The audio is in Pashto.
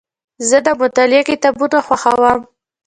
زه د مطالعې کتابونه خوښوم.